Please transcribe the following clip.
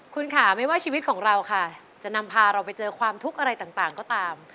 คุณค่ะไม่ว่าชีวิตของเราค่ะจะนำพาเราไปเจอความทุกข์อะไรต่างก็ตาม